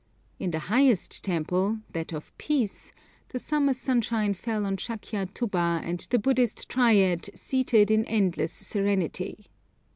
In the highest temple, that of Peace, the summer sunshine fell on Shakya Thubba and the Buddhist triad seated in endless serenity.